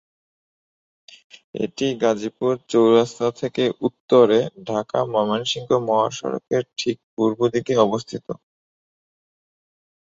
এটি গাজীপুর চৌরাস্তা থেকে উত্তরে ঢাকা-ময়মনসিংহ মহাসড়কের ঠিক পূর্ব দিকে অবস্থিত।